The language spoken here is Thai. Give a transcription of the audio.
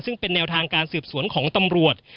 ซึ่งเป็นแนวทางการสืบสวนของตำรวจ